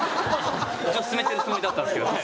一応進めてるつもりだったんですけどね。